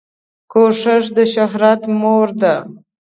کوښښ دشهرت مور ده